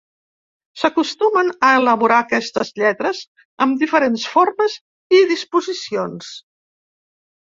S'acostumen a elaborar aquestes lletres amb diferents formes i disposicions.